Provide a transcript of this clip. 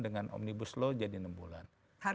dengan omnibus law jadi enam bulan